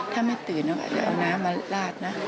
ถ้าไม่ตื่นจะเอาน้ำมาลาดนะ